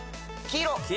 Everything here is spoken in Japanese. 黄色。